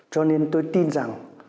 cho nên tôi tin rằng